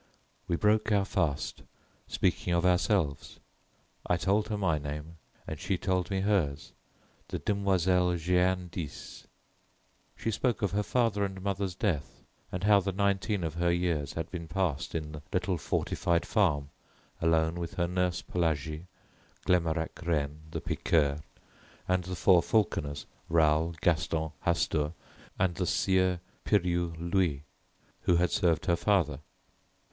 We broke our fast, speaking of ourselves. I told her my name and she told me hers, the Demoiselle Jeanne d'Ys. She spoke of her father and mother's death, and how the nineteen of her years had been passed in the little fortified farm alone with her nurse Pelagie, Glemarec René the piqueur, and the four falconers, Raoul, Gaston, Hastur, and the Sieur Piriou Louis, who had served her father.